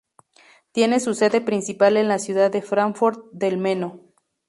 Tiene su sede principal en la ciudad de Fráncfort del Meno.